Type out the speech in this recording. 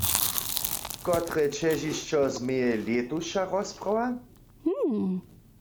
Kotre ćežišćo změje lětuša rozprawa?